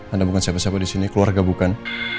anda bukan siapa siapa disini keluarga bukan